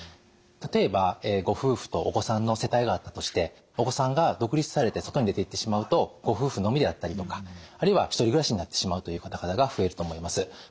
例えばご夫婦とお子さんの世帯があったとしてお子さんが独立されて外に出ていってしまうとご夫婦のみであったりとかあるいは１人暮らしになってしまうという方々が増えると思います。